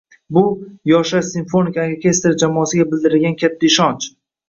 Bu - Yoshlar simfonik orkestri jamoasiga bildirilgan katta ishonch...